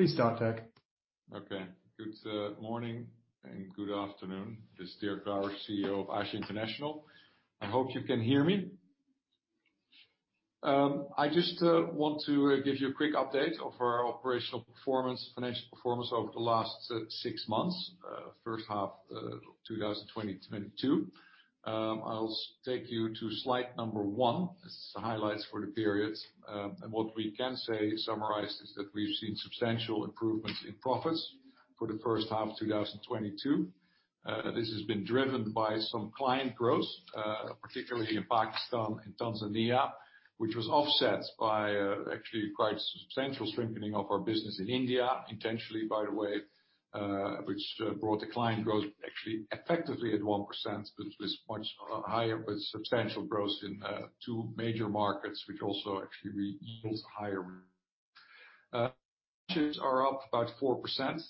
Please start, Dirk. Okay. Good morning and good afternoon. This is Dirk Brouwer, CEO of ASA International. I hope you can hear me. I just want to give you a quick update of our operational performance, financial performance over the last six months, first half of 2022. I'll take you to slide number 1. This is the highlights for the period. What we can say summarized is that we've seen substantial improvements in profits for the first half of 2022. This has been driven by some client growth, particularly in Pakistan and Tanzania, which was offset by actually quite substantial strengthening of our business in India, intentionally by the way, which brought the client growth actually effectively at 1%. It was much higher, but substantial growth in two major markets, which also actually yields higher. Branches are up about 4%.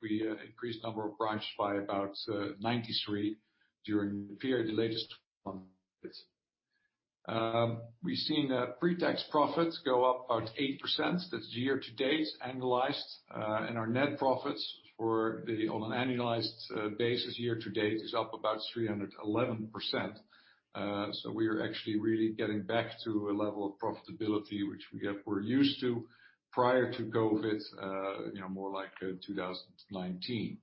We increased number of branches by about 93 during the period of the latest. We've seen pre-tax profits go up about 8%. That's year-to-date, annualized. Our net profits on an annualized basis year-to-date is up about 311%. We are actually really getting back to a level of profitability we're used to prior to COVID, you know, more like 2019.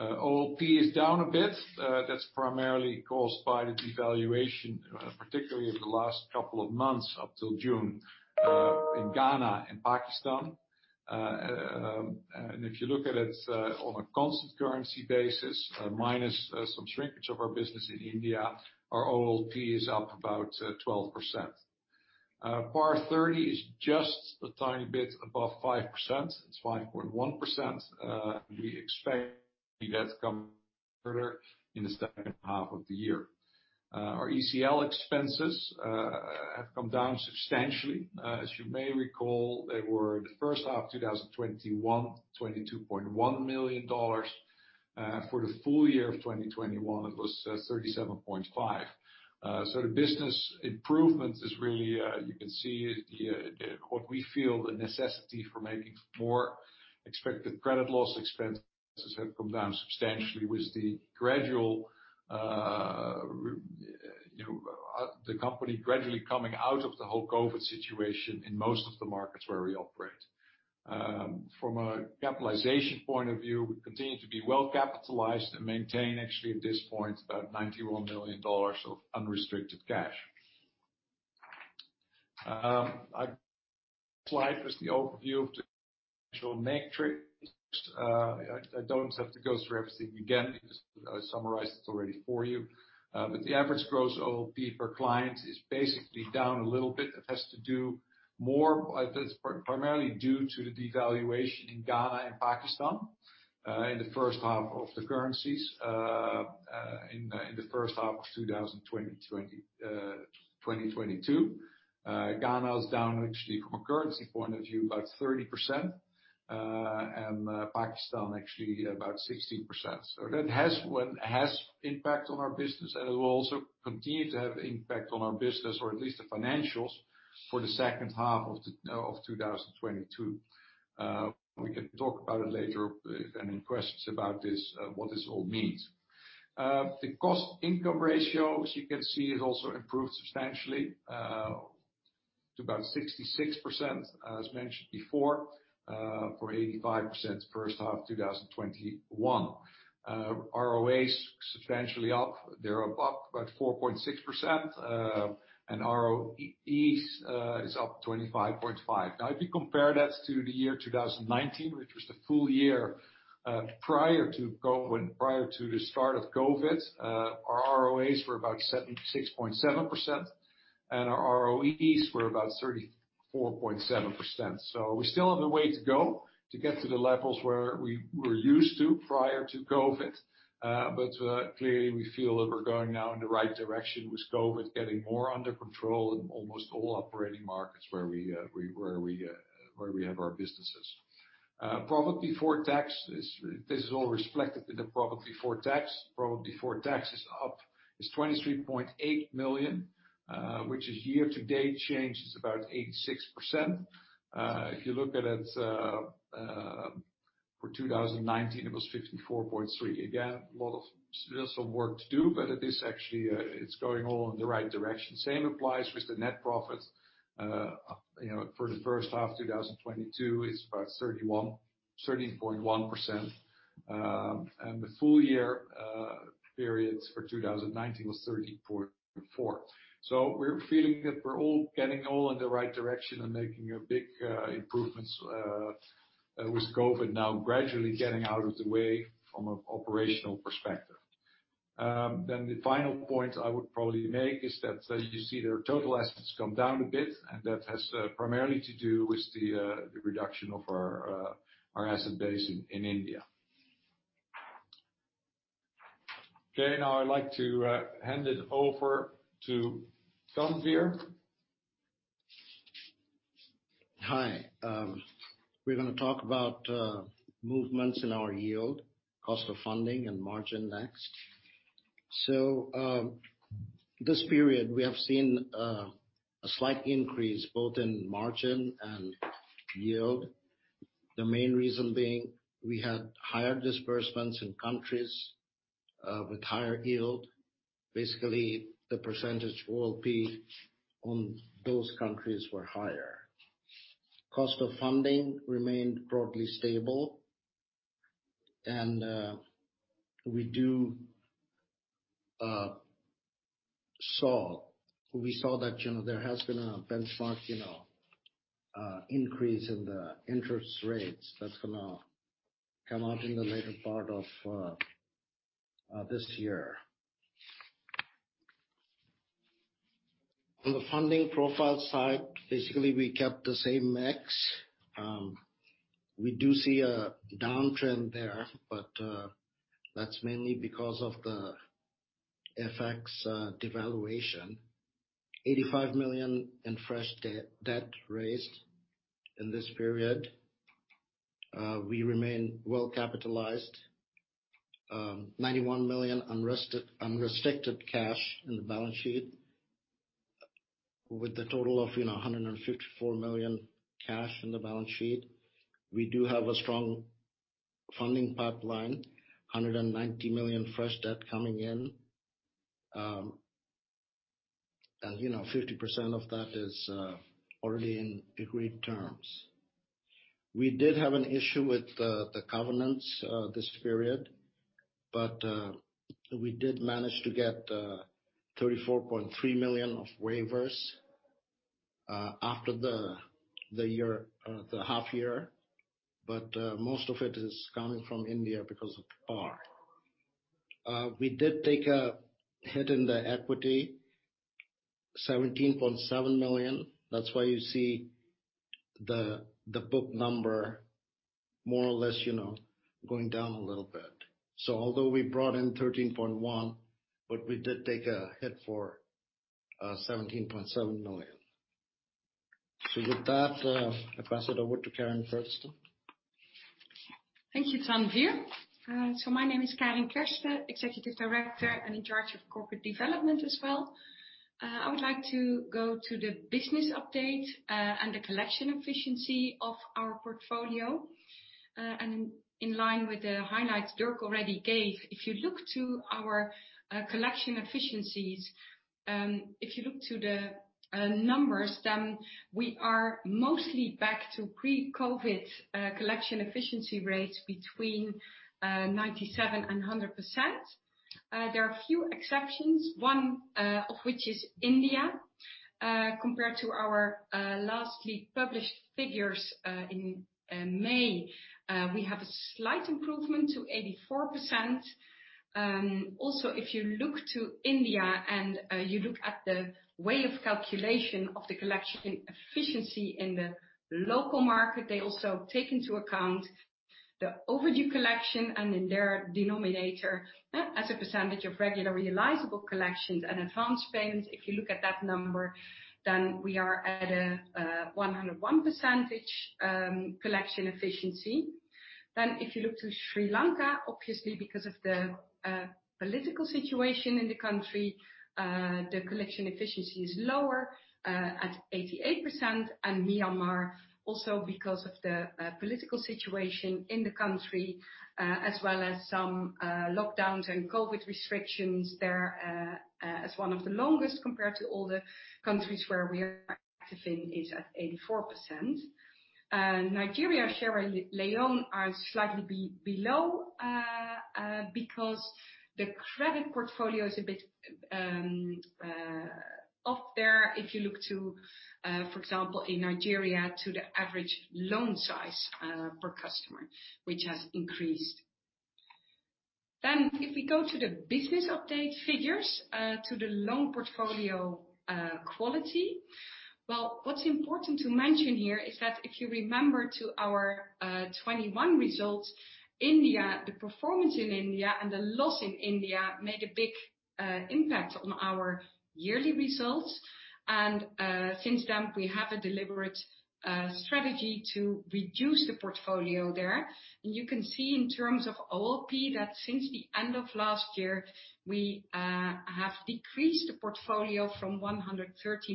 OLP is down a bit. That's primarily caused by the devaluation, particularly in the last couple of months up till June, in Ghana and Pakistan. If you look at it on a constant currency basis, minus some shrinkage of our business in India, our OLP is up about 12%. PAR 30 is just a tiny bit above 5%. It's 5.1%. We expect that to come down further in the second half of the year. Our ECL expenses have come down substantially. As you may recall, they were the first half 2021, $22.1 million. For the full year of 2021, it was $37.5 million. The business improvement is really, you can see, what we feel the necessity for making more expected credit loss expenses have come down substantially with the company gradually coming out of the whole COVID situation in most of the markets where we operate. From a capitalization point of view, we continue to be well capitalized and maintain actually at this point, about $91 million of unrestricted cash. This slide is the overview of the financial metrics. I don't have to go through everything again because I summarized it already for you. The average gross OLP per client is basically down a little bit. It has to do primarily due to the devaluation of the currencies in Ghana and Pakistan in the first half of 2022. Ghana is down actually from a currency point of view, about 30%. Pakistan actually about 16%. That has impact on our business, and it will also continue to have impact on our business or at least the financials for the second half of 2022. We can talk about it later if any questions about this, what this all means. The cost income ratio, as you can see, has also improved substantially, to about 66%, as mentioned before, for 85% first half 2021. ROA is substantially up. They're up about 4.6%. ROE is up 25.5%. Now, if you compare that to the year 2019, which was the full year prior to COVID, prior to the start of COVID, our ROAs were about 76.7% and our ROEs were about 34.7%. We still have a way to go to get to the levels where we were used to prior to COVID. Clearly we feel that we're going now in the right direction with COVID getting more under control in almost all operating markets where we have our businesses. This is all reflected in the profit before tax. Profit before tax is up. It's $23.8 million, which is year-to-date change is about 86%. If you look at it, for 2019, it was $54.3 million. Again, a lot. Still some work to do, but it is actually, it's going all in the right direction. Same applies with the net profit. You know, for the first half 2022, it's about $31 million, 13.1%. The full year period for 2019 was 13.4%. We're feeling that we're getting all in the right direction and making a big improvements with COVID now gradually getting out of the way from an operational perspective. The final point I would probably make is that you see their total assets come down a bit, and that has primarily to do with the reduction of our asset base in India. Okay. Now I'd like to hand it over to Tanwir. We're gonna talk about movements in our yield, cost of funding and margin next. This period we have seen a slight increase both in margin and yield. The main reason being we had higher disbursements in countries with higher yield. Basically, the percentage will be on those countries were higher. Cost of funding remained broadly stable. We saw that, you know, there has been a benchmark, you know, increase in the interest rates that's gonna come out in the later part of this year. On the funding profile side, basically, we kept the same mix. We do see a downtrend there, but that's mainly because of the FX devaluation. $85 million in fresh debt raised in this period. We remain well-capitalized. $91 million unrestricted cash in the balance sheet, with a total of, you know, $154 million cash in the balance sheet. We do have a strong funding pipeline, $190 million fresh debt coming in. As you know, 50% of that is already in agreed terms. We did have an issue with the covenants this period, but we did manage to get $34.3 million of waivers after the half year. Most of it is coming from India because of PAR. We did take a hit in the equity, $17.7 million. That's why you see the book number more or less, you know, going down a little bit. Although we brought in $13.1 million, but we did take a hit for $17.7 million. With that, I pass it over to Karin Kersten. Thank you, Tanwir. My name is Karin Kersten, Executive Director and in charge of Corporate Development as well. I would like to go to the business update, and the collection efficiency of our portfolio. In line with the highlights Dirk already gave, if you look to our collection efficiencies, if you look to the numbers, then we are mostly back to pre-COVID collection efficiency rates between 97% and 100%. There are a few exceptions, one of which is India. Compared to our lastly published figures in May, we have a slight improvement to 84%. Also, if you look to India and you look at the way of calculation of the collection efficiency in the local market, they also take into account the overdue collection and in their denominator as a percentage of regular realizable collections and advance payments. If you look at that number, then we are at 101% collection efficiency. If you look to Sri Lanka, obviously because of the political situation in the country, the collection efficiency is lower at 88%. Myanmar, also because of the political situation in the country, as well as some lockdowns and COVID restrictions there, as one of the longest compared to all the countries where we are active in, is at 84%. Nigeria, Sierra Leone are slightly below because the credit portfolio is a bit up there if you look to, for example, in Nigeria to the average loan size per customer, which has increased. If we go to the business update figures to the loan portfolio quality. Well, what's important to mention here is that if you remember to our 2021 results, India, the performance in India and the loss in India made a big impact on our yearly results. Since then, we have a deliberate strategy to reduce the portfolio there. You can see in terms of OLB that since the end of last year, we have decreased the portfolio from $130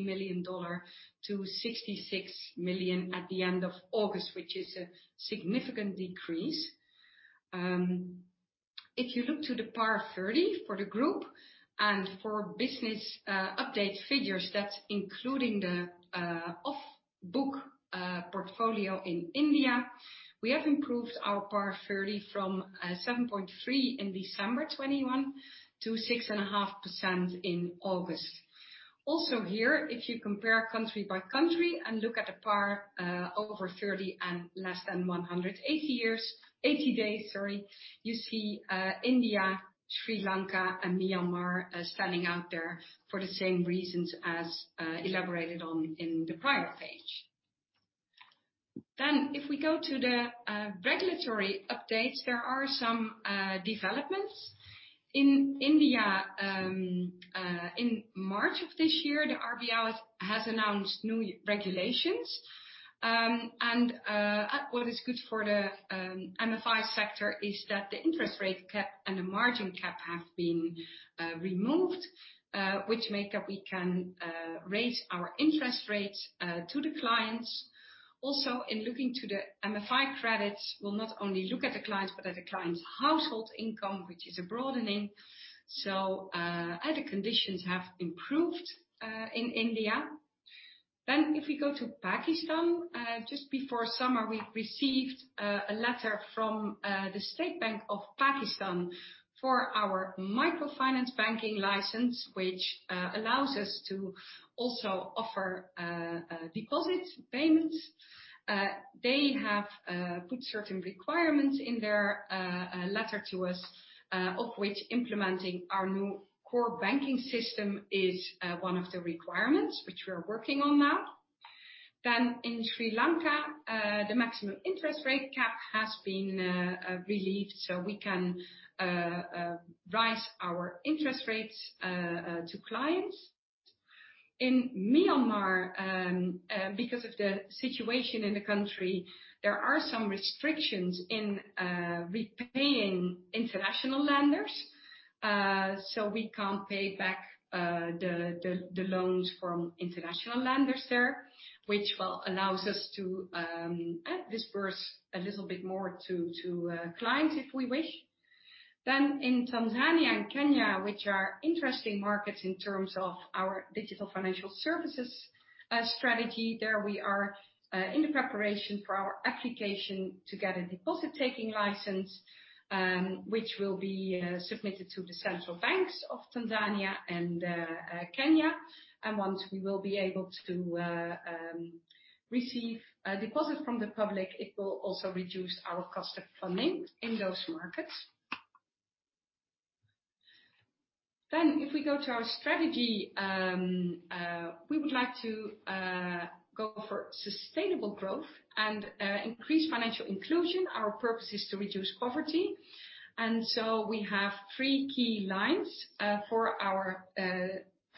million-$66 million at the end of August, which is a significant decrease. If you look to the PAR 30 for the group and for business update figures that's including the off-book portfolio in India. We have improved our PAR 30 from 7.3% in December 2021 to 6.5% in August. Also here, if you compare country by country and look at the PAR over 30 and less than 180 days, you see India, Sri Lanka and Myanmar standing out there for the same reasons as elaborated on in the prior page. If we go to the regulatory updates. There are some developments. In India, in March of this year, the RBI has announced new regulations. What is good for the MFI sector is that the interest rate cap and the margin cap have been removed, which make that we can raise our interest rates to the clients. Also, in looking to the MFI credits, will not only look at the clients, but at the client's household income, which is a broadening. Other conditions have improved in India. If we go to Pakistan, just before summer, we received a letter from the State Bank of Pakistan for our microfinance banking license, which allows us to also offer deposits, payments. They have put certain requirements in their letter to us, of which implementing our new core banking system is one of the requirements which we are working on now. In Sri Lanka, the maximum interest rate cap has been relieved, so we can raise our interest rates to clients. In Myanmar, because of the situation in the country, there are some restrictions on repaying international lenders. We can't pay back the loans from international lenders there, which allows us to disburse a little bit more to clients if we wish. In Tanzania and Kenya, which are interesting markets in terms of our digital financial services strategy, we are in preparation for our application to get a deposit-taking license, which will be submitted to the central banks of Tanzania and Kenya. Once we will be able to receive a deposit from the public, it will also reduce our cost of funding in those markets. If we go to our strategy, we would like to go for sustainable growth and increase financial inclusion. Our purpose is to reduce poverty. We have three key lines for our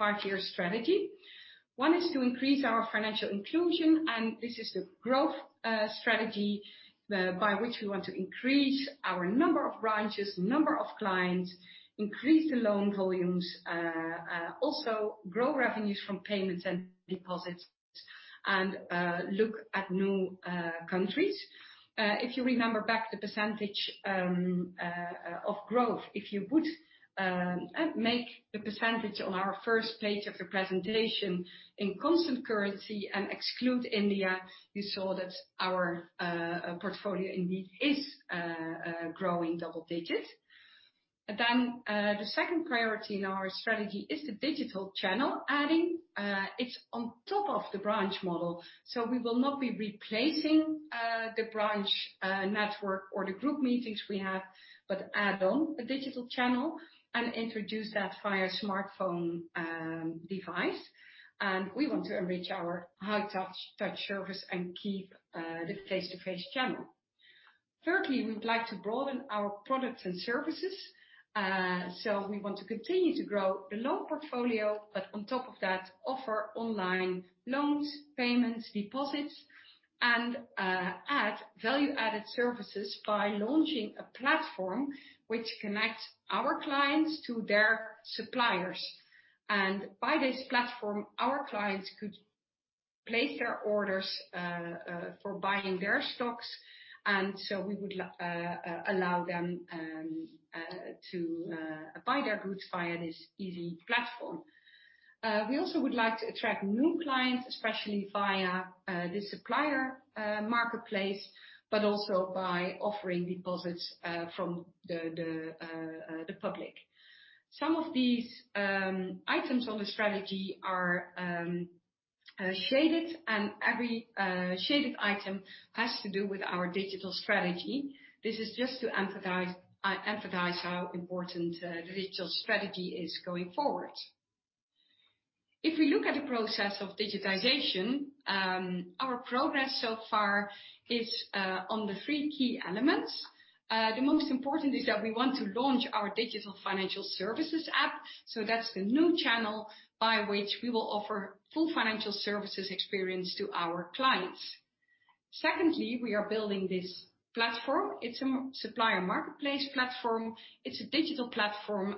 five-year strategy. One is to increase our financial inclusion, and this is the growth strategy by which we want to increase our number of branches, number of clients, increase the loan volumes, also grow revenues from payments and deposits and look at new countries. If you remember back the percentage of growth, if you would make the percentage on our first page of the presentation in constant currency and exclude India, you saw that our portfolio indeed is growing double digits. The second priority in our strategy is the digital channel adding. It's on top of the branch model, so we will not be replacing the branch network or the group meetings we have, but add on a digital channel and introduce that via smartphone device. We want to enrich our high touch service and keep the face-to-face channel. Thirdly, we would like to broaden our products and services. We want to continue to grow the loan portfolio, but on top of that, offer online loans, payments, deposits, and add value-added services by launching a platform which connects our clients to their suppliers. By this platform, our clients could place their orders for buying their stocks. We would allow them to buy their goods via this easy platform. We also would like to attract new clients, especially via the supplier marketplace, but also by offering deposits from the public. Some of these items on the strategy are shaded, and every shaded item has to do with our digital strategy. This is just to emphasize how important the digital strategy is going forward. If we look at the process of digitization, our progress so far is on the three key elements. The most important is that we want to launch our digital financial services app. That's the new channel by which we will offer full financial services experience to our clients. Secondly, we are building this platform. It's a supplier marketplace platform. It's a digital platform,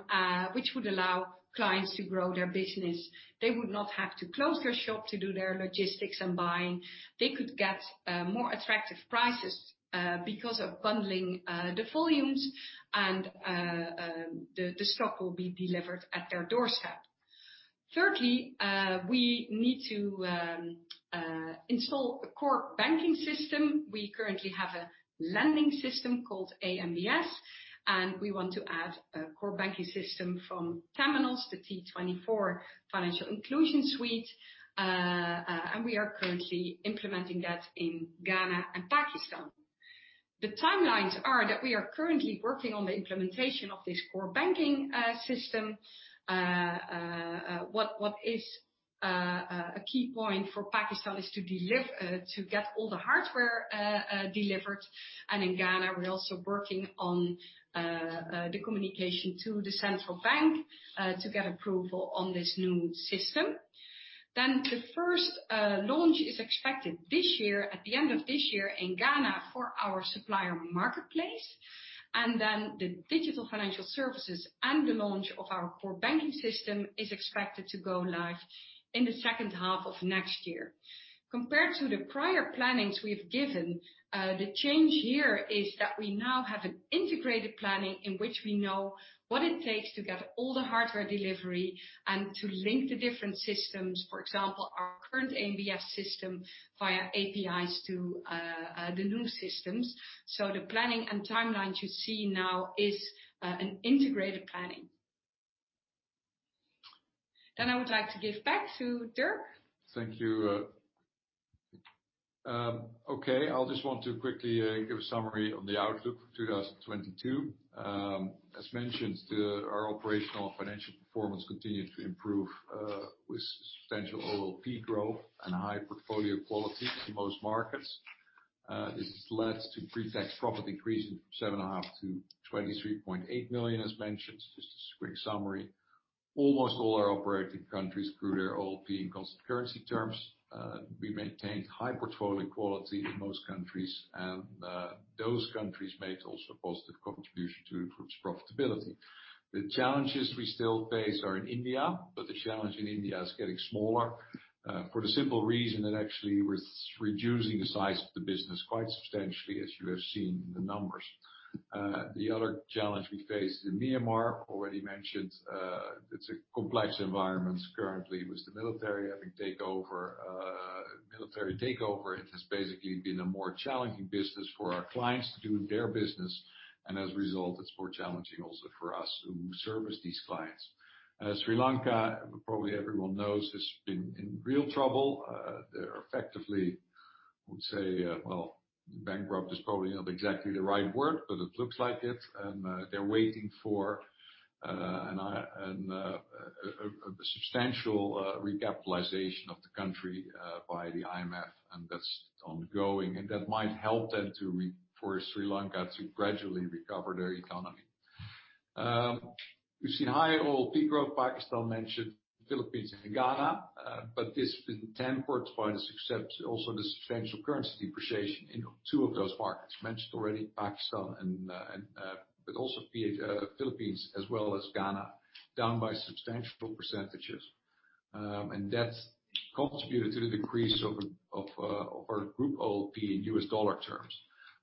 which would allow clients to grow their business. They would not have to close their shop to do their logistics and buying. They could get more attractive prices because of bundling the volumes and the stock will be delivered at their doorstep. Thirdly, we need to install a core banking system. We currently have a lending system called AMBS, and we want to add a core banking system from Temenos, the T24 Financial Inclusion Suite. We are currently implementing that in Ghana and Pakistan. The timeline that we are currently working on the implementation of this core banking system. A key point for Pakistan is to get all the hardware delivered. In Ghana, we're also working on the communication to the central bank to get approval on this new system. The first launch is expected this year, at the end of this year in Ghana for our supplier marketplace. The digital financial services and the launch of our core banking system is expected to go live in the second half of next year. Compared to the prior plannings we've given, the change here is that we now have an integrated planning in which we know what it takes to get all the hardware delivery and to link the different systems. For example, our current AMBS system via APIs to the new systems. The planning and timelines you see now is an integrated planning. I would like to give back to Dirk. Thank you. Okay, I'll just want to quickly give a summary on the outlook for 2022. As mentioned, our operational financial performance continued to improve with substantial OLP growth and high portfolio quality in most markets. This has led to pre-tax profit increasing from $7.5 million-$23.8 million as mentioned. Just a quick summary. Almost all our operating countries grew their OLP in constant currency terms. We maintained high portfolio quality in most countries, and those countries made also a positive contribution to the group's profitability. The challenges we still face are in India, but the challenge in India is getting smaller for the simple reason that actually we're reducing the size of the business quite substantially, as you have seen in the numbers. The other challenge we face in Myanmar, already mentioned, it's a complex environment currently with the military takeover. It has basically been a more challenging business for our clients to do their business, and as a result, it's more challenging also for us who service these clients. Sri Lanka, probably everyone knows, has been in real trouble. They're effectively, I would say, well, bankrupt is probably not exactly the right word, but it looks like it. They're waiting for a substantial recapitalization of the country by the IMF, and that's ongoing. That might help them for Sri Lanka to gradually recover their economy. We've seen high OLP growth, Pakistan mentioned, Philippines and Ghana, but this has been tempered by such as the substantial currency depreciation in two of those markets. Mentioned already, Pakistan and Philippines as well as Ghana, down by substantial percentages. That's contributed to the decrease of our group OLP in U.S. dollar terms.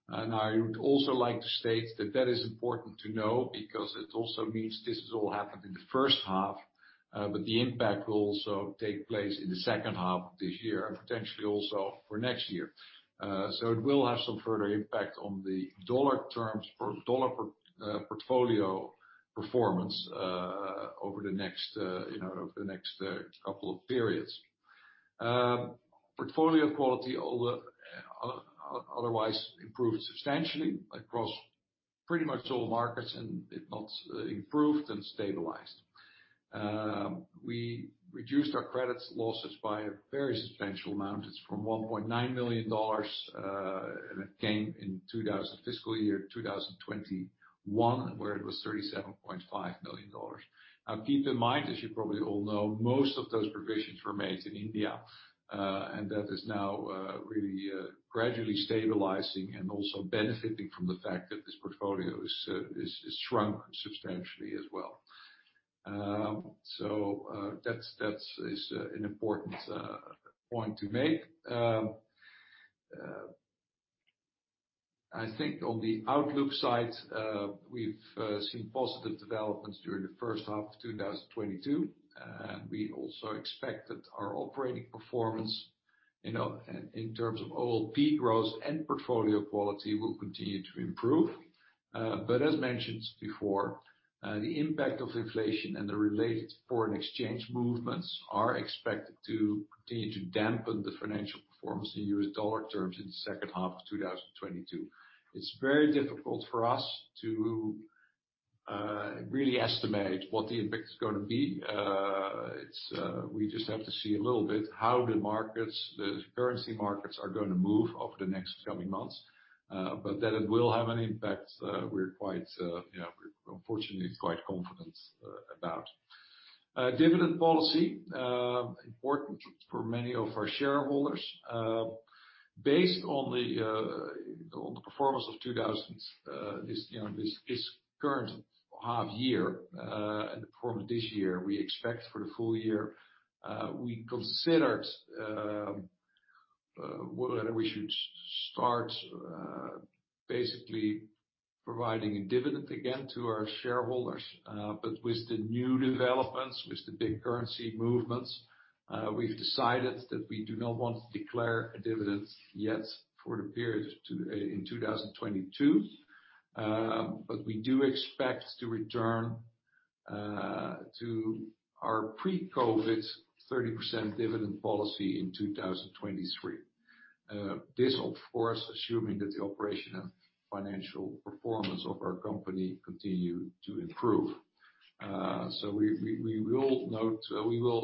I would also like to state that that is important to know because it also means this has all happened in the first half, but the impact will also take place in the second half of this year and potentially also for next year. It will have some further impact on the dollar terms of portfolio performance over the next, you know, couple of periods. Portfolio quality otherwise improved substantially across pretty much all markets, and if not improved, then stabilized. We reduced our credit losses by a very substantial amount. It's from $1.9 million, and it came in fiscal year 2021, where it was $37.5 million. Now, keep in mind, as you probably all know, most of those provisions were made in India, and that is now really gradually stabilizing and also benefiting from the fact that this portfolio is shrunk substantially as well. That's an important point to make. I think on the outlook side, we've seen positive developments during the first half of 2022. We also expect that our operating performance, you know, in terms of OLP growth and portfolio quality, will continue to improve. As mentioned before, the impact of inflation and the related foreign exchange movements are expected to continue to dampen the financial performance in U.S. dollar terms in the second half of 2022. It's very difficult for us to really estimate what the impact is gonna be. We just have to see a little bit how the markets, the currency markets are gonna move over the next coming months. That it will have an impact, we're quite, you know, we're unfortunately quite confident about. Dividend policy, important for many of our shareholders. Based on the performance of 2022, this you know this current half year and the performance this year, we expect for the full year we considered whether we should start basically providing a dividend again to our shareholders. With the new developments, with the big currency movements, we've decided that we do not want to declare a dividend yet for the period to in 2022. We do expect to return to our pre-COVID 30% dividend policy in 2023. This of course assuming that the operation and financial performance of our company continue to improve. We will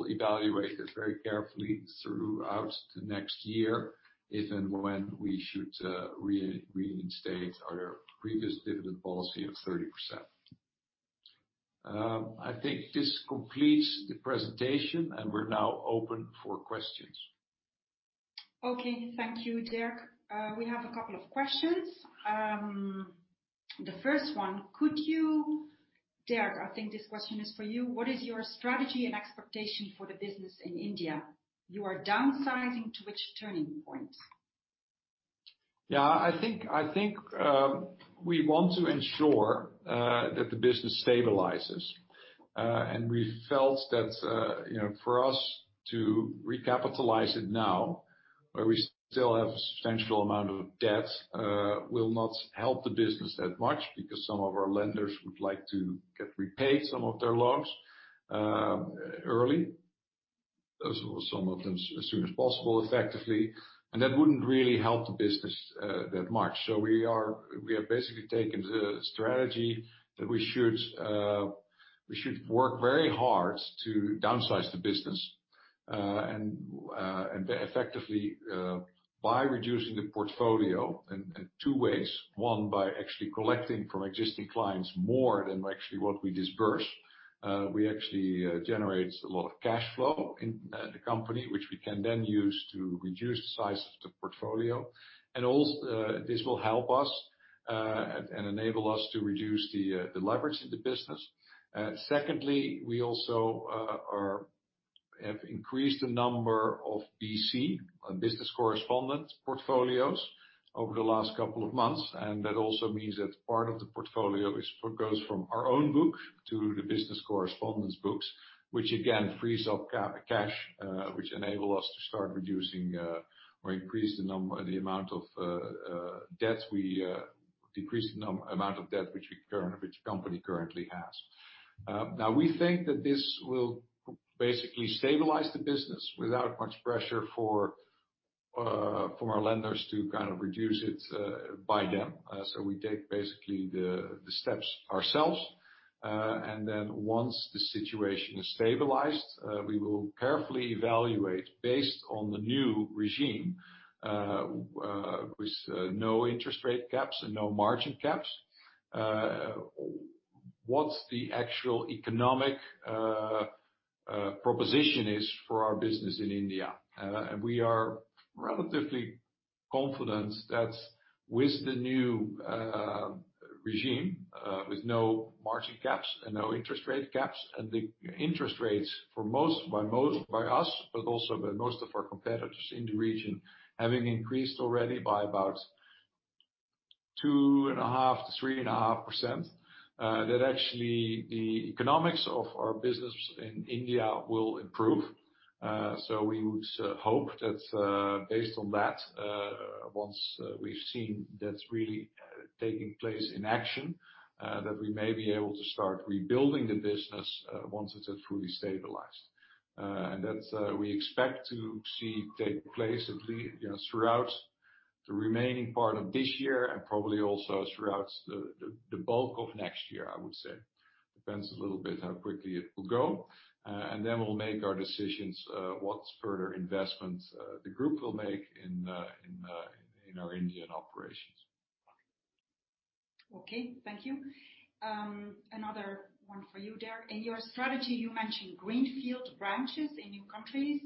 evaluate it very carefully throughout the next year if and when we should reinstate our previous dividend policy of 30%. I think this completes the presentation, and we're now open for questions. Okay. Thank you, Dirk. We have a couple of questions. The first one, Dirk, I think this question is for you. What is your strategy and expectation for the business in India? You are downsizing to which turning point? Yeah. I think we want to ensure that the business stabilizes. We felt that, you know, for us to recapitalize it now, where we still have a substantial amount of debt, will not help the business that much because some of our lenders would like to get repaid some of their loans early, some of them as soon as possible, effectively. That wouldn't really help the business that much. We have basically taken the strategy that we should work very hard to downsize the business and effectively by reducing the portfolio in two ways. One, by actually collecting from existing clients more than actually what we disperse. We actually generate a lot of cash flow in the company, which we can then use to reduce the size of the portfolio. This will help us and enable us to reduce the leverage of the business. Secondly, we also have increased the number of BC, Business Correspondent portfolios over the last couple of months. That also means that part of the portfolio goes from our own book to the business correspondent books, which again frees up cash, which enable us to decrease the amount of debt which the company currently has. Now we think that this will basically stabilize the business without much pressure for, from our lenders to kind of reduce it, by them. We take basically the steps ourselves. Once the situation is stabilized, we will carefully evaluate based on the new regime, with no interest rate caps and no margin caps, what's the actual economic proposition is for our business in India. We are relatively confident that with the new regime, with no margin caps and no interest rate caps, and the interest rates by us, but also by most of our competitors in the region, having increased already by about 2.5%, 3.5%, that actually the economics of our business in India will improve. We would hope that, based on that, once we've seen that's really taking place in action, that we may be able to start rebuilding the business, once it has fully stabilized. We expect to see take place you know, throughout the remaining part of this year and probably also throughout the bulk of next year, I would say. Depends a little bit how quickly it will go. We'll make our decisions what further investments the group will make in our Indian operations. Okay. Thank you. Another one for you, Dirk. In your strategy, you mentioned greenfield branches in new countries.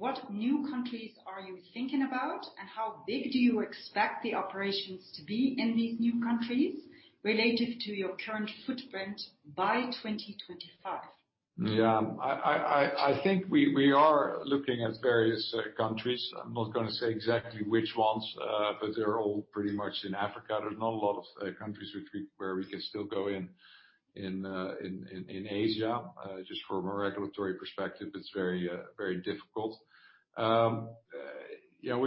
What new countries are you thinking about, and how big do you expect the operations to be in these new countries related to your current footprint by 2025? Yeah. I think we are looking at various countries. I'm not gonna say exactly which ones, but they're all pretty much in Africa. There's not a lot of countries where we can still go in Asia. Just from a regulatory perspective, it's very difficult. You know,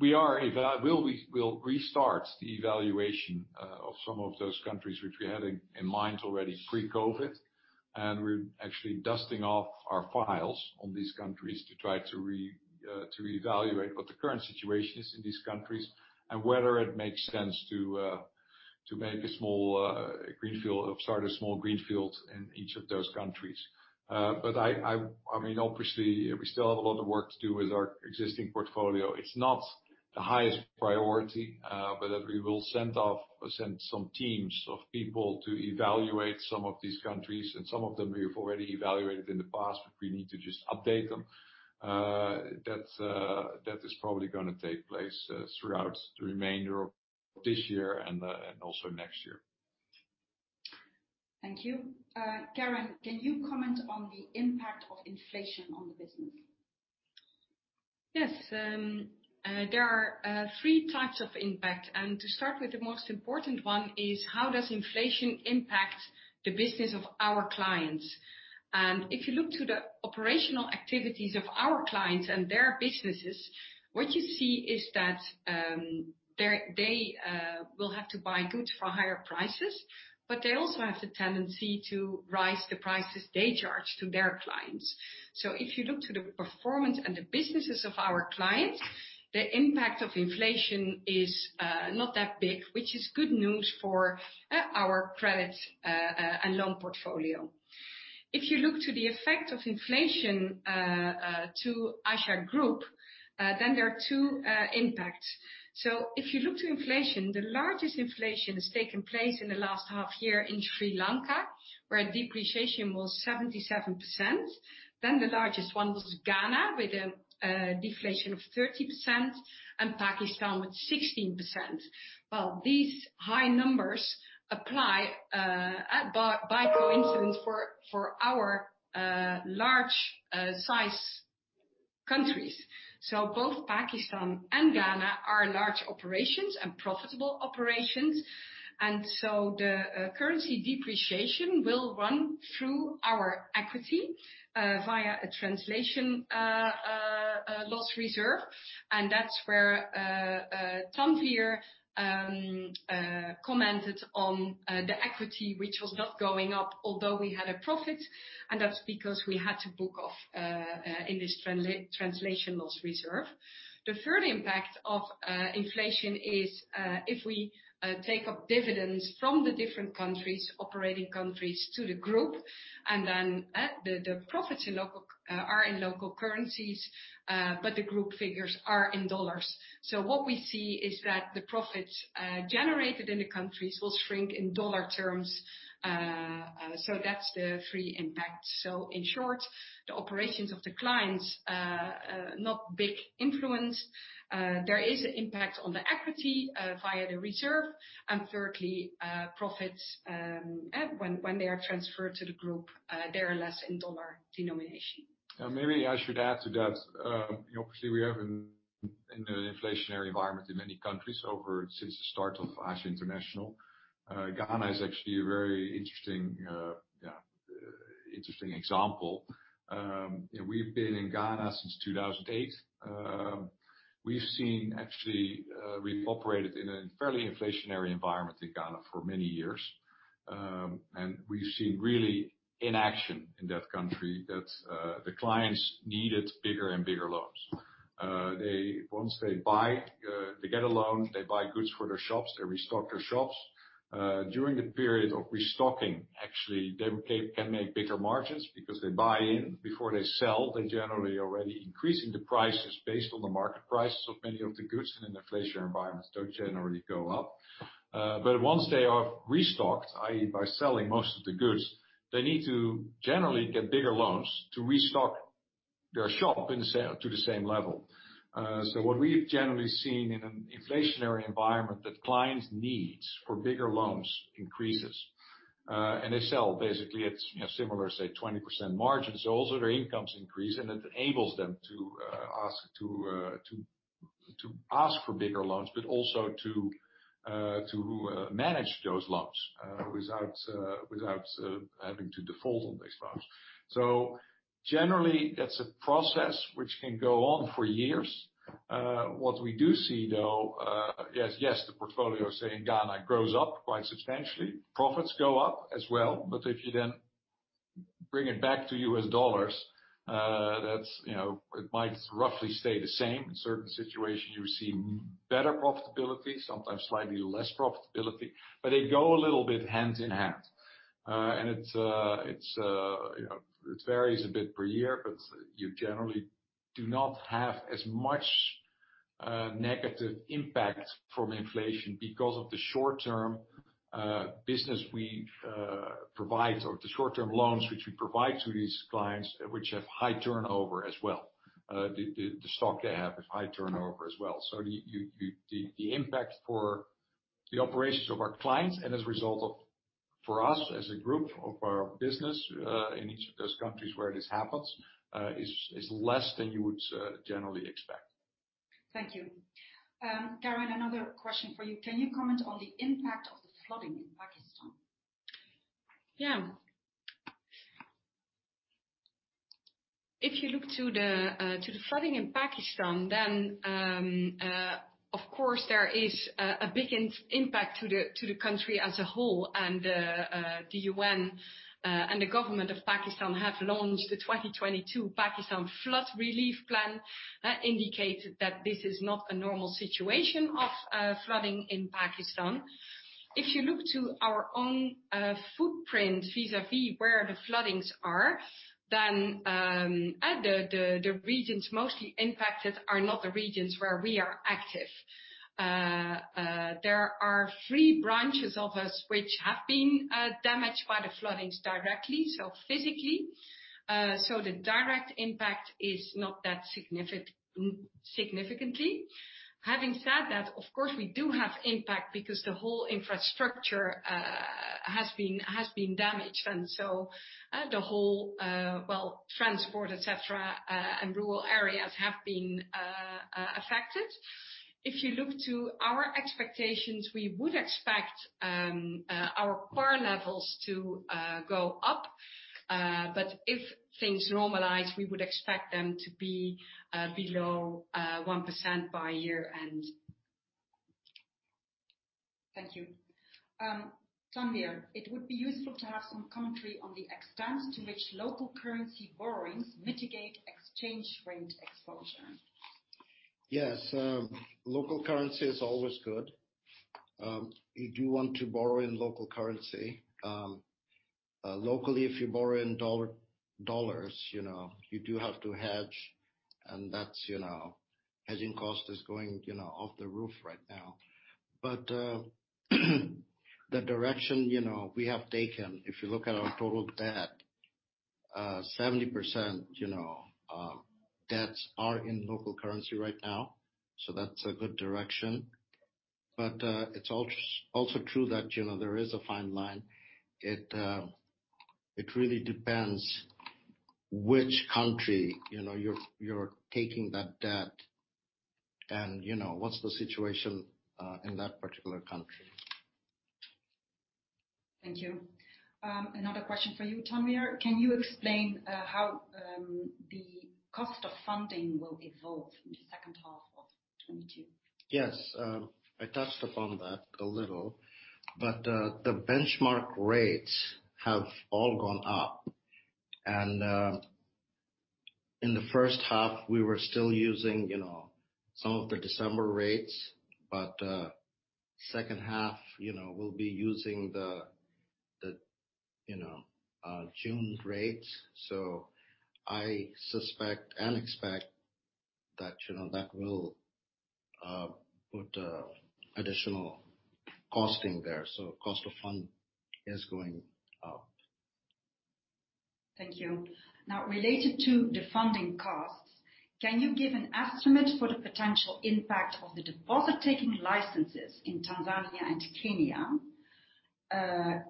we'll restart the evaluation of some of those countries which we had in mind already pre-COVID. We're actually dusting off our files on these countries to try to evaluate what the current situation is in these countries and whether it makes sense to make a small greenfield or start a small greenfield in each of those countries. I mean, obviously we still have a lot of work to do with our existing portfolio. It's not the highest priority, but we will send off or send some teams of people to evaluate some of these countries, and some of them we've already evaluated in the past, but we need to just update them. That is probably gonna take place throughout the remainder of this year and also next year. Thank you. Karin, can you comment on the impact of inflation on the business? Yes. There are three types of impact. To start with, the most important one is how does inflation impact the business of our clients? If you look to the operational activities of our clients and their businesses, what you see is that they will have to buy goods for higher prices, but they also have the tendency to raise the prices they charge to their clients. If you look to the performance and the businesses of our clients, the impact of inflation is not that big, which is good news for our credit and loan portfolio. If you look to the effect of inflation to ASA Group, then there are two impacts. If you look to inflation, the largest inflation has taken place in the last half year in Sri Lanka, where depreciation was 77%. The largest one was Ghana, with a deflation of 30%, and Pakistan with 16%. Well, these high numbers apply to our large size countries by coincidence. Both Pakistan and Ghana are large operations and profitable operations. The currency depreciation will run through our equity via a translation loss reserve. That's where Tanwir commented on the equity which was not going up although we had a profit, and that's because we had to book off in this translation loss reserve. The third impact of inflation is if we take up dividends from the different countries, operating countries to the group, and then the profits in local currencies, but the group figures are in dollars. What we see is that the profits generated in the countries will shrink in dollar terms, so that's the third impact. In short, the operations of the clients not big influence. There is an impact on the equity via the reserve. Thirdly, profits when they are transferred to the group, they are less in dollar denomination. Maybe I should add to that. Obviously, we have an inflationary environment in many countries ever since the start of ASA International. Ghana is actually a very interesting example. We've been in Ghana since 2008. We've seen actually we've operated in a fairly inflationary environment in Ghana for many years. We've seen really in action in that country that the clients needed bigger and bigger loans. Once they buy, they get a loan, they buy goods for their shops, they restock their shops. During the period of restocking, actually, they can make bigger margins because they buy in before they sell. They're generally already increasing the prices based on the market prices of many of the goods in an inflationary environment, so generally go up. Once they are restocked, i.e., by selling most of the goods, they need to generally get bigger loans to restock their shop to the same level. What we've generally seen in an inflationary environment that clients' needs for bigger loans increases. They sell basically at, you know, similar, say, 20% margins. Also their incomes increase, and it enables them to ask for bigger loans, but also to manage those loans without having to default on these loans. Generally, that's a process which can go on for years. What we do see, though, the portfolio, say in Ghana, grows up quite substantially. Profits go up as well. If you then bring it back to U.S. dollars, that's, you know, it might roughly stay the same. In certain situations, you see better profitability, sometimes slightly less profitability. They go a little bit hand in hand. It's, you know, it varies a bit per year, but you generally do not have as much negative impact from inflation because of the short-term business we provide or the short-term loans which we provide to these clients which have high turnover as well. The stock they have is high turnover as well. The impact for the operations of our clients and as a result of, for us as a group of our business, in each of those countries where this happens, is less than you would generally expect. Thank you. Karin, another question for you. Can you comment on the impact of the flooding in Pakistan? Yeah. If you look to the flooding in Pakistan then, of course there is a big impact to the country as a whole. The UN and the government of Pakistan have launched the 2022 Pakistan Floods Response Plan, indicated that this is not a normal situation of flooding in Pakistan. If you look to our own footprint vis-à-vis where the floodings are, then the regions mostly impacted are not the regions where we are active. There are three branches of us which have been damaged by the floodings directly, so physically. The direct impact is not that significant. Having said that, of course, we do have impact because the whole infrastructure has been damaged and so the whole transport, et cetera, and rural areas have been affected. If you look to our expectations, we would expect our core levels to go up. If things normalize, we would expect them to be below 1% by year-end. Thank you. Tanwir, it would be useful to have some commentary on the extent to which local currency borrowings mitigate exchange rate exposure. Yes. Local currency is always good. You do want to borrow in local currency. Locally, if you borrow in dollars, you know, you do have to hedge, and that's, you know, hedging cost is going, you know, off the roof right now. The direction we have taken, if you look at our total debt, 70%, you know, debts are in local currency right now, so that's a good direction. It's also true that, you know, there is a fine line. It really depends which country, you know, you're taking that debt and, you know, what's the situation in that particular country. Thank you. Another question for you, Tanwir. Can you explain how the cost of funding will evolve in the second half of 2022? Yes. I touched upon that a little. The benchmark rates have all gone up. In the first half, we were still using, you know, some of the December rates. Second half, you know, we'll be using the you know June rates. I suspect and expect that, you know, that will put additional costing there. Cost of fund is going up. Thank you. Now, related to the funding costs, can you give an estimate for the potential impact of the deposit-taking licenses in Tanzania and Kenya?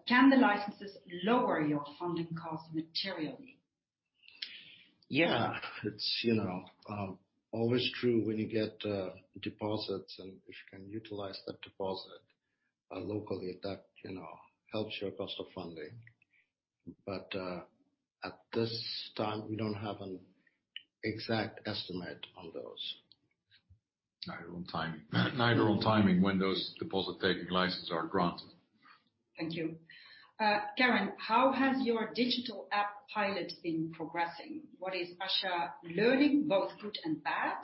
Can the licenses lower your funding costs materially? Yeah. It's, you know, always true when you get deposits and if you can utilize that deposit locally, that, you know, helps your cost of funding. At this time, we don't have an exact estimate on those. Neither on timing when those deposit-taking licenses are granted. Thank you. Karin, how has your digital app pilot been progressing? What is ASA learning, both good and bad?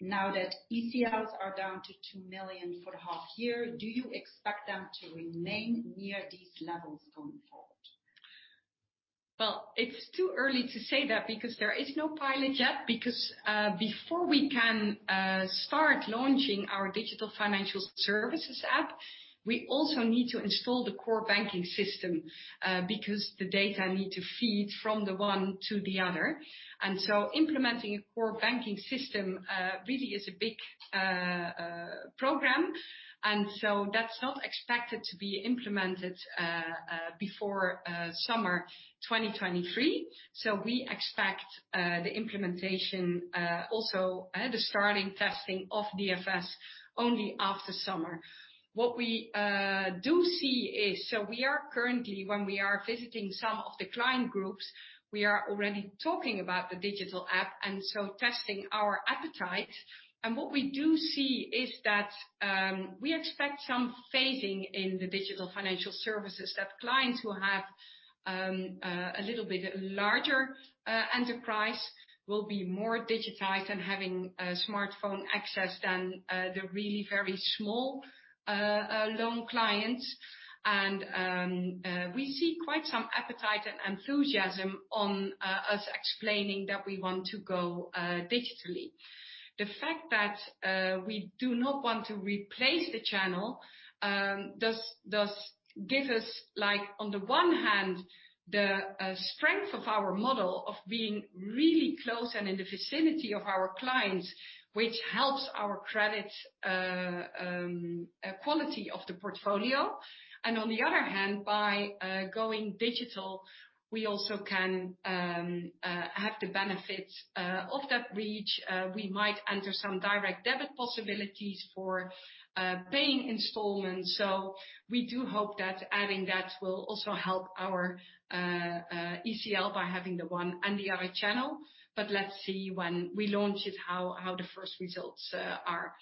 Now that ECLs are down to $2 million for the half year, do you expect them to remain near these levels going forward? Well, it's too early to say that because there is no pilot yet. Before we can start launching our digital financial services app, we also need to install the core banking system, because the data need to feed from the one to the other. Implementing a core banking system really is a big program. That's not expected to be implemented before summer 2023. We expect the implementation also the starting testing of DFS only after summer. What we do see is when we are visiting some of the client groups, we are already talking about the digital app, and so testing our appetite. What we do see is that we expect some phasing in the digital financial services, that clients who have a little bit larger enterprise will be more digitized and having a smartphone access than the really very small loan clients. We see quite some appetite and enthusiasm on us explaining that we want to go digitally. The fact that we do not want to replace the channel does give us, like, on the one hand, the strength of our model of being really close and in the vicinity of our clients, which helps our credit quality of the portfolio. On the other hand, by going digital, we also can have the benefit of that reach. We might enter some direct debit possibilities for paying installments. We do hope that adding that will also help our ECL by having the one and the other channel. Let's see when we launch it, how the first results are.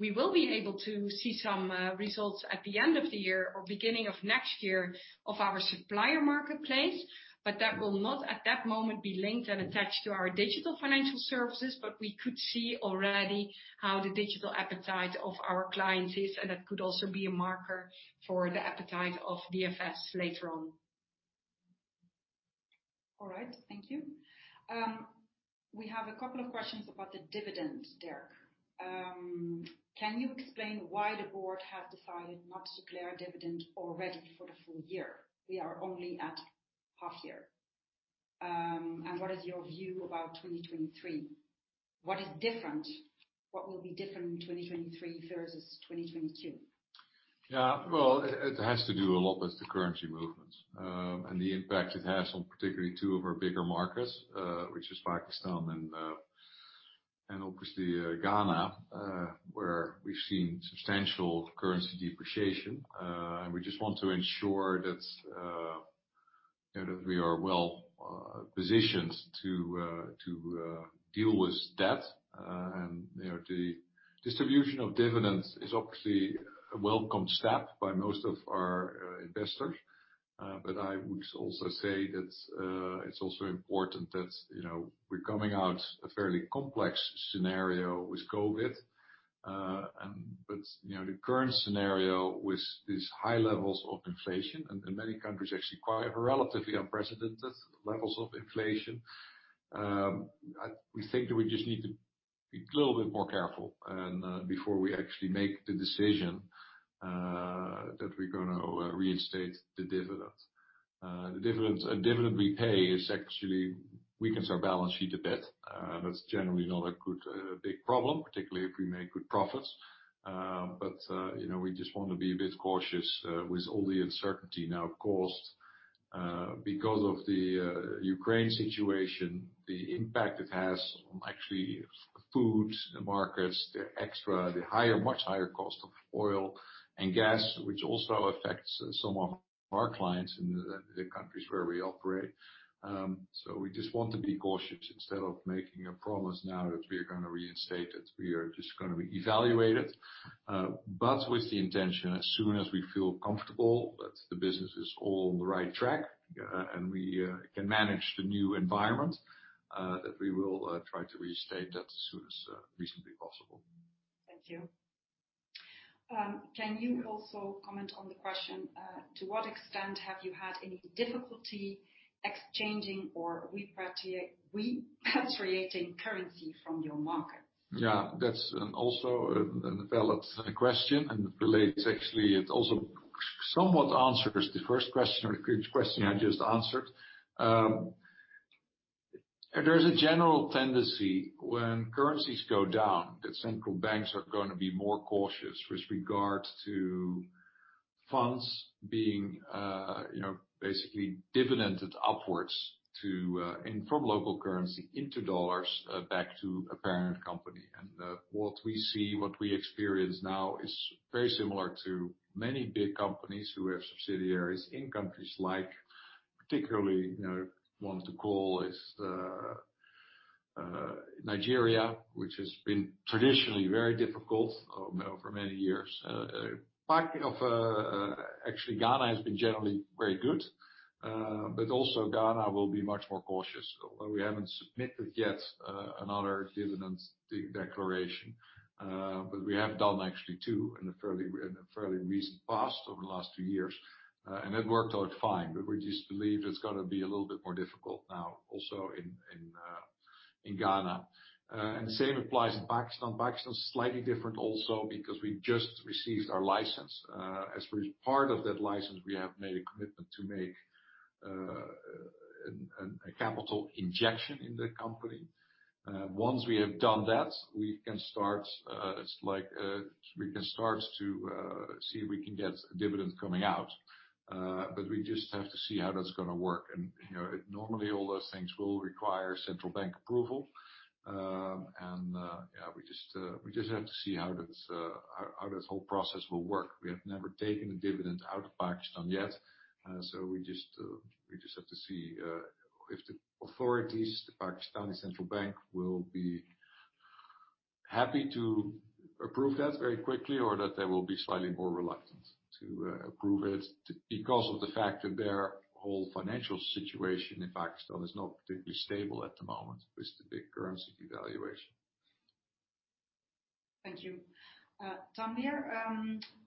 We will be able to see some results at the end of the year or beginning of next year of our supplier marketplace, but that will not at that moment be linked and attached to our digital financial services. We could see already how the digital appetite of our clients is, and that could also be a marker for the appetite of DFS later on. All right. Thank you. We have a couple of questions about the dividend, Dirk. Can you explain why the board have decided not to declare a dividend already for the full year? We are only at half year. And what is your view about 2023? What is different, what will be different in 2023 versus 2022? Yeah. Well, it has to do a lot with the currency movements, and the impact it has on particularly two of our bigger markets, which is Pakistan and obviously Ghana, where we've seen substantial currency depreciation. We just want to ensure that you know that we are well positioned to deal with debt. You know the distribution of dividends is obviously a welcome step by most of our investors. I would also say that it's also important that you know we're coming out a fairly complex scenario with COVID. You know the current scenario with these high levels of inflation and in many countries actually quite relatively unprecedented levels of inflation. We think that we just need to be a little bit more careful and, before we actually make the decision, that we're gonna reinstate the dividend. The dividend we pay actually weakens our balance sheet a bit. That's generally not a good big problem, particularly if we make good profits. You know, we just wanna be a bit cautious with all the uncertainty now caused because of the Ukraine situation, the impact it has on actually food markets, the higher, much higher cost of oil and gas, which also affects some of our clients in the countries where we operate. We just want to be cautious instead of making a promise now that we're gonna reinstate it. We are just gonna evaluate it, but with the intention, as soon as we feel comfortable that the business is all on the right track, and we can manage the new environment, that we will try to reinstate that as soon as reasonably possible. Thank you. Can you also comment on the question, to what extent have you had any difficulty exchanging or repatriating currency from your markets? Yeah, that's also a valid question, and relates actually, it also somewhat answers the first question or the previous question I just answered. There's a general tendency when currencies go down, that central banks are gonna be more cautious with regards to funds being, you know, basically dividended upwards from local currency into dollars back to a parent company. What we see, what we experience now is very similar to many big companies who have subsidiaries in countries like, particularly, you know, one to call out is Nigeria, which has been traditionally very difficult over many years. Actually, Ghana has been generally very good. Also Ghana will be much more cautious. We haven't submitted yet another dividend declaration, but we have done actually two in a fairly recent past, over the last two years. It worked out fine, but we just believe it's gonna be a little bit more difficult now also in Ghana. The same applies in Pakistan. Pakistan is slightly different also because we just received our license. As part of that license, we have made a commitment to make a capital injection in the company. Once we have done that, we can start to see if we can get dividend coming out. But we just have to see how that's gonna work. You know, normally all those things will require central bank approval. We just have to see how this whole process will work. We have never taken a dividend out of Pakistan yet, we just have to see if the authorities, the State Bank of Pakistan, will be happy to approve that very quickly or that they will be slightly more reluctant to approve it because of the fact that their whole financial situation in Pakistan is not particularly stable at the moment with the big currency devaluation. Thank you. Tanvir,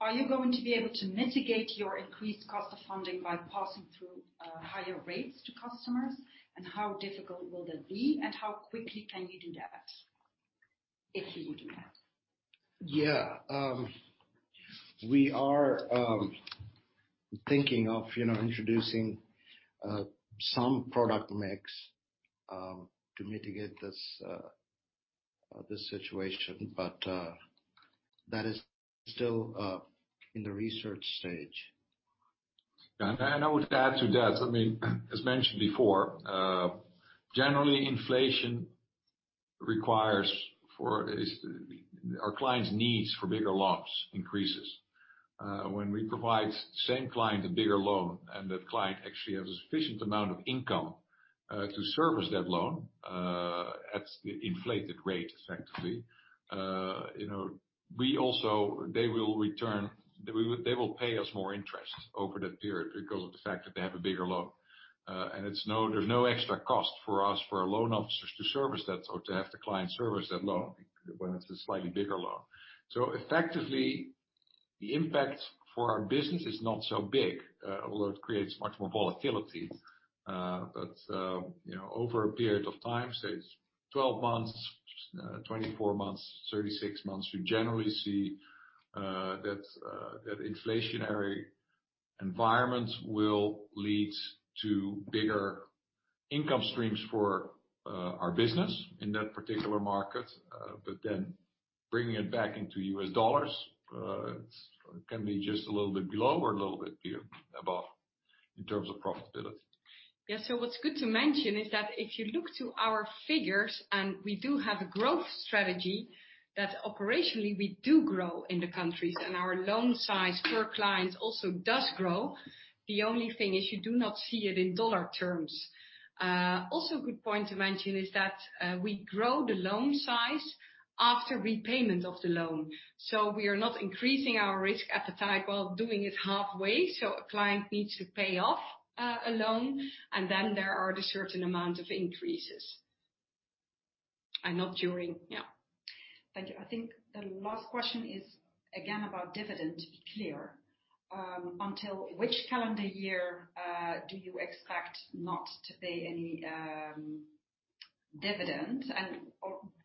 are you going to be able to mitigate your increased cost of funding by passing through higher rates to customers? How difficult will that be? How quickly can you do that, if you would do that? Yeah. We are thinking of, you know, introducing some product mix to mitigate this situation. That is still in the research stage. I would add to that, I mean, as mentioned before, generally inflation requires for our clients' needs for bigger loans increases. When we provide same client a bigger loan, and that client actually has a sufficient amount of income to service that loan at the inflated rate, effectively, you know, they will pay us more interest over that period because of the fact that they have a bigger loan. There's no extra cost for us, for our loan officers to service that or to have the client service that loan when it's a slightly bigger loan. Effectively, the impact for our business is not so big, although it creates much more volatility. You know, over a period of time, say it's 12 months, 24 months, 36 months, you generally see that inflationary environments will lead to bigger income streams for our business in that particular market, but then bringing it back into U.S. dollars can be just a little bit below or a little bit above in terms of profitability. Yeah. What's good to mention is that if you look to our figures, and we do have a growth strategy, that operationally we do grow in the countries, and our loan size per client also does grow. The only thing is you do not see it in dollar terms. Also a good point to mention is that we grow the loan size after repayment of the loan. We are not increasing our risk appetite while doing it halfway. A client needs to pay off a loan, and then there are the certain amount of increases. Not during. Yeah. Thank you. I think the last question is again about dividend clear. Until which calendar year do you expect not to pay any dividend? And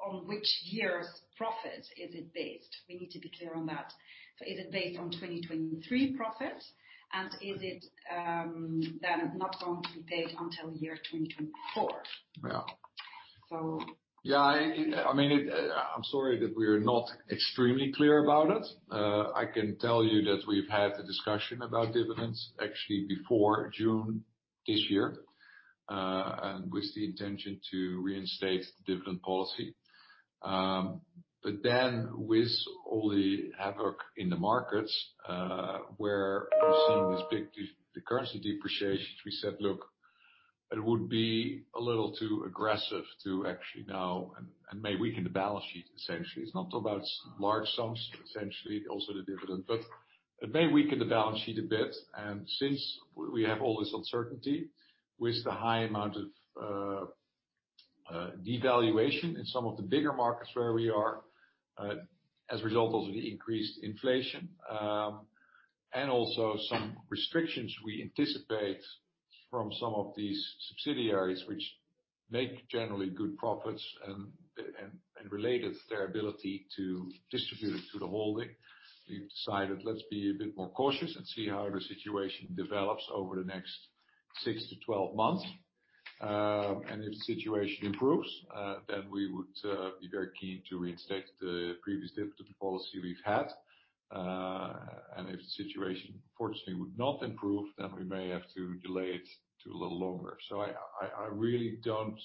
on which year's profit is it based? We need to be clear on that. Is it based on 2023 profit? Is it then not going to be paid until year 2024? Yeah, I mean, I'm sorry that we're not extremely clear about it. I can tell you that we've had a discussion about dividends actually before June this year, and with the intention to reinstate the dividend policy. With all the havoc in the markets, where we're seeing this big currency depreciation, we said, "Look, it would be a little too aggressive to actually now," and may weaken the balance sheet essentially. It's not about large sums, essentially, also the dividend, but it may weaken the balance sheet a bit. Since we have all this uncertainty with the high amount of devaluation in some of the bigger markets where we are, as a result of the increased inflation, and also some restrictions we anticipate from some of these subsidiaries which make generally good profits and related to their ability to distribute it to the holding. We've decided, let's be a bit more cautious and see how the situation develops over the next 6-12 months. If the situation improves, then we would be very keen to reinstate the previous dividend policy we've had. If the situation unfortunately would not improve, then we may have to delay it to a little longer. I really don't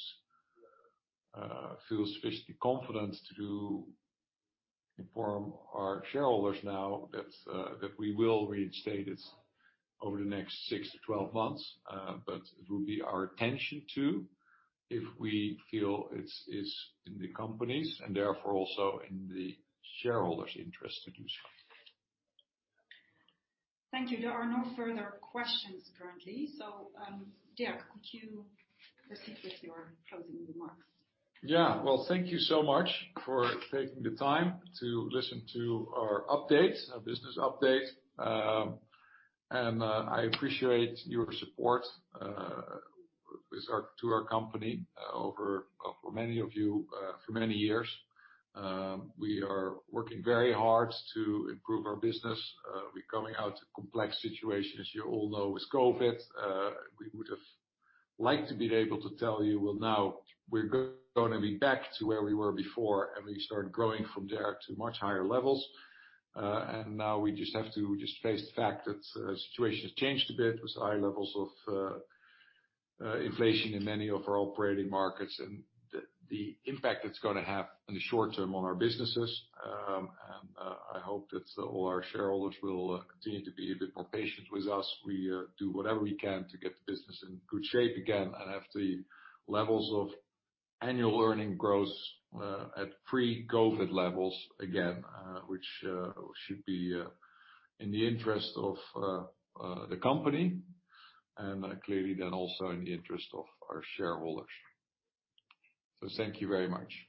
feel sufficiently confident to inform our shareholders now that we will reinstate it over the next 6-12 months. It will be our intention to, if we feel it's in the company's and therefore also in the shareholders' interest to do so. Thank you. There are no further questions currently. Dirk, could you proceed with your closing remarks? Yeah. Well, thank you so much for taking the time to listen to our updates, our business updates. I appreciate your support with our company over, for many of you, for many years. We are working very hard to improve our business. We're coming out of complex situations, as you all know, with COVID. We would have liked to been able to tell you, "Well, now we're gonna be back to where we were before, and we start growing from there to much higher levels." Now we just have to face the fact that the situation has changed a bit with high levels of inflation in many of our operating markets and the impact it's gonna have in the short term on our businesses. I hope that all our shareholders will continue to be a bit more patient with us. We do whatever we can to get the business in good shape again and have the levels of annual earnings growth at pre-COVID levels again, which should be in the interest of the company and clearly then also in the interest of our shareholders. Thank you very much.